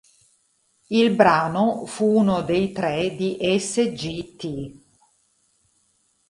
Il brano fu uno dei tre di "Sgt.